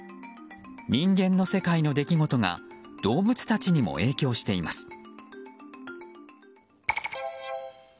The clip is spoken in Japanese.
人間の世界の出来事が動物たちにも影響しています。